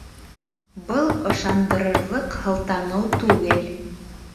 Был ышандырырлыҡ һылтаныу түгел.